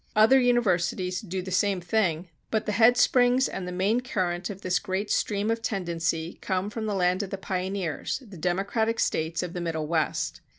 Other universities do the same thing; but the head springs and the main current of this great stream of tendency come from the land of the pioneers, the democratic states of the Middle West.